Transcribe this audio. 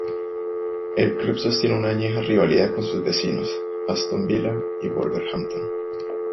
El club sostiene una añeja rivalidad con sus vecinos Aston Villa y Wolverhampton.